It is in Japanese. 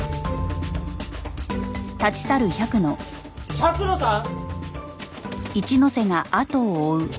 百野さん？